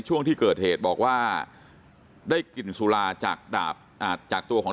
ช่วงที่เกิดเหตุบอกว่าได้กลิ่นสุราจากดาบจากตัวของ